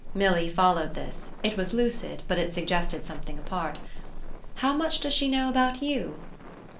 Milly followed this it was lucid, but it suggested something apart. "How much does she know about YOU?"